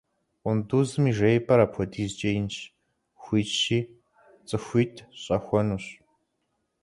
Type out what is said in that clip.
Къундузым и жеипӀэр апхуэдизкӀэ инщ, хуитщи цӀыхуитӀ щӀэхуэнущ.